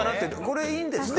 これいいんですかね？